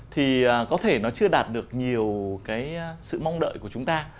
thì có thể nó chưa đạt được nhiều cái sự mong đợi của chúng ta